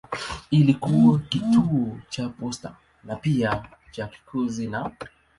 Ilikuwa kituo cha posta na pia cha kikosi na.